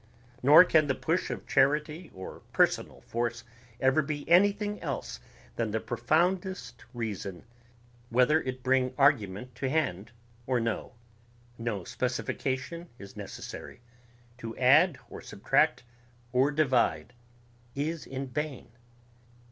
Nor can the push of charity or personal force ever be anything else than the profoundest reason, whether it bring argument to hand or no. No specification is necessary ... to add or subtract or divide is in vain.